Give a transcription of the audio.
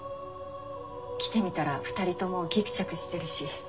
来てみたら２人ともギクシャクしてるし。